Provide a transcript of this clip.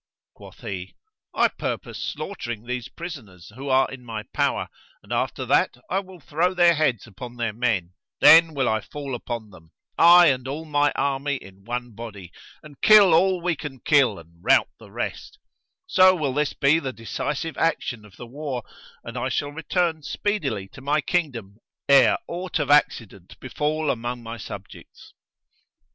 Quoth he, "I purpose slaughtering these prisoners who are in my power; and after that I will throw their heads among their men: then will I fall upon them, I and all my army in one body, and kill all we can kill and rout the rest: so will this be the decisive action of the war and I shall return speedily to my kingdom ere aught of accident befal among my subjects."